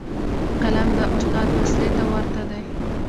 قلم د استاد وسلې ته ورته دی.